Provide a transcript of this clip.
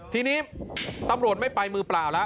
ทีนี้ตำรวจไม่ไปมือปลาวนะ